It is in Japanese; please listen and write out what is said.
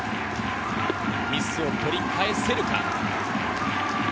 ミスを取り返せるか。